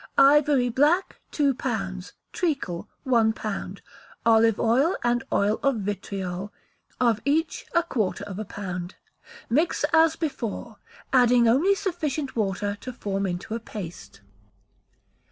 Ivory black, two pounds; treacle, one pound; olive oil and oil of vitriol, of each, a quarter of a pound. Mix as before, adding only sufficient water to form into a paste.